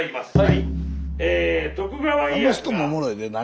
はい！